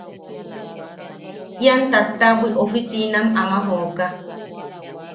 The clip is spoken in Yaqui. Ian tattabwi oficinam ama jooka.